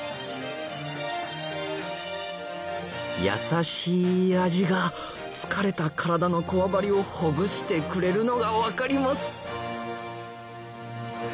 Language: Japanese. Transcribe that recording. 優しい味が疲れた体のこわばりをほぐしてくれるのが分かります